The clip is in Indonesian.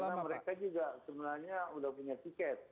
karena mereka juga sebenarnya sudah punya tiket